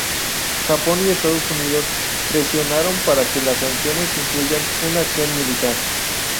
Japón y Estados Unidos presionaron para que las sanciones incluyan una acción militar.